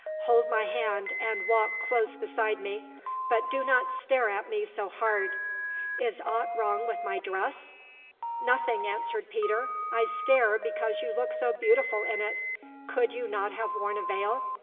Hold my hand and walk close beside me, but do not stare at me so hard. Is aught wrong with my dress?" "Nothing," answered Peter. "I stare because you look so beautiful in it. Could you not have worn a veil?